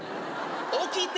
起きて。